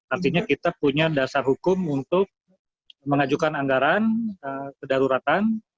artinya kita punya dasar hukum untuk mengajukan anggaran kedaruratan